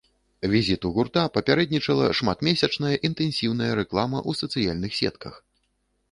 Візіту гурта папярэднічала шматмесячная інтэнсіўная рэклама ў сацыяльных сетках.